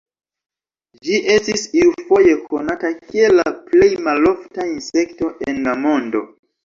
Ĝi estis iufoje konata kiel la plej malofta insekto en la mondo.